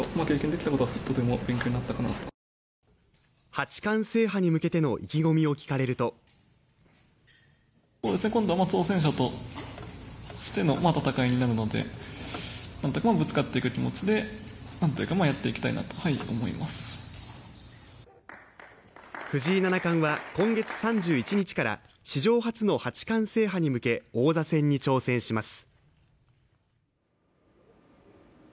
八冠制覇に向けての意気込みを聞かれると藤井七冠は今月３１日から史上初の八冠制覇に向け王座戦に挑戦します。